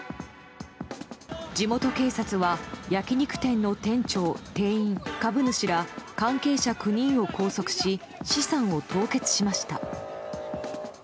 地元警察は焼き肉店の店長、店員、株主ら関係者９人を拘束し資産を凍結しました。